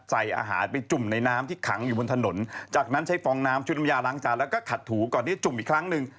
ใส่อาหารไปจุ่มในน้ำที่ขังอยู่บนถนนจากนั้นใช้ฟองน้ำชุดน้ำยาล้างจานแล้วก็ขัดถูกก่อนที่จะจุ่มอีกครั้งหนึ่ง